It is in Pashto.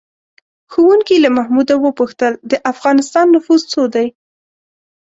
ښوونکي له محمود وپوښتل: د افغانستان نفوس څو دی؟